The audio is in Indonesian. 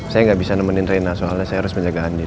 saya gak bisa nemenin reina soalnya saya harus menjaga andin